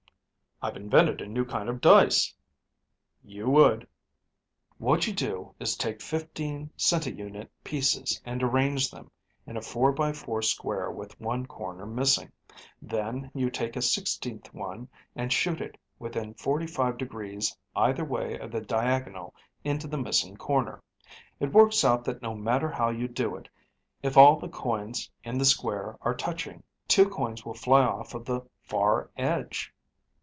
"I've invented a new kind of dice." "You would." "What you do is take fifteen centiunit pieces and arrange them in a four by four square with one corner missing. Then you take a sixteenth one and shoot it within forty five degrees either way of the diagonal into the missing corner. It works out that no matter how you do it, if all the coins in the square are touching, two coins will fly off of the far edge.